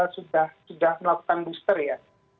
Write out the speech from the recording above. sudah melakukan booster ya